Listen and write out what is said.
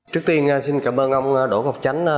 trước tiên xin cảm ơn ông đỗ ngọc chánh